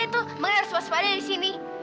itu memang ada sepas sepas ada disini